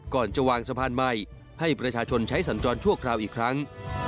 ก่อนจะวางสะพานใหม่ให้ประชาชนใช้สัญจรชั่วคราวอีกครั้ง